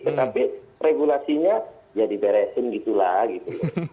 tetapi regulasinya ya diberesin gitu lah gitu